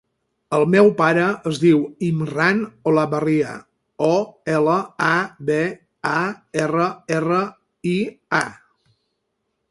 El meu pare es diu Imran Olabarria: o, ela, a, be, a, erra, erra, i, a.